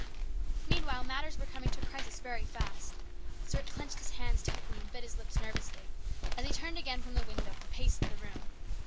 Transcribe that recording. Meanwhile matters were coming to a crisis very fast. Stuart clenched his hands tightly and bit his lips nervously as he turned again from the window and paced the room.